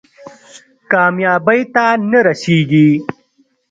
کامیابۍ ته نه رسېږي.